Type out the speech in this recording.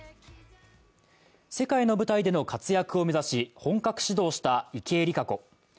世界の舞台での活躍を目指し本格始動した池江璃花子。